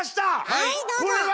はいどうぞ！